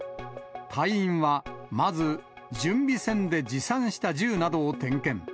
隊員はまず、準備線で持参した銃などを点検。